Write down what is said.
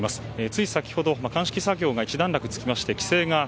つい先ほど鑑識作業がひと段落つきました。